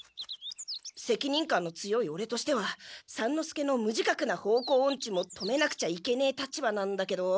せきにん感の強いオレとしては三之助の無自覚な方向オンチも止めなくちゃいけねえ立場なんだけど。